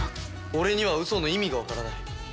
俺にはウソの意味がわからない。